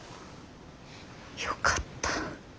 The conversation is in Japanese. よかった。